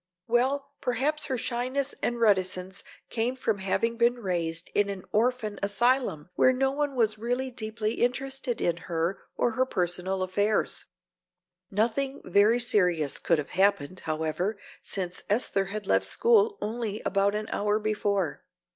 "Well, perhaps her shyness and reticence came from having been raised in an orphan asylum where no one was really deeply interested in her or her personal affairs. Nothing very serious could have happened, however, since Esther had left school only about an hour before."